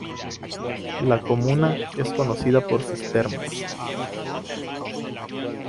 La comuna es conocida por sus termas.